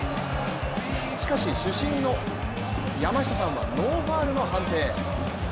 しかし主審の山下さんはノーファウルの判定。